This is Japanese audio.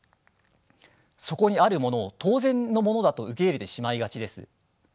そこにあるものを当然のものだと受け入れてしまいがちです。